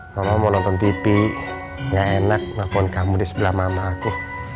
kamu mau nonton tv gak enak nelfon kamu di sebelah mama aku